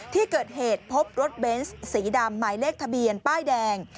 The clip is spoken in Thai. ที่เกิดเหตุพบรถเบนส์สีดำหมายเลขทะเบียนป้ายแดง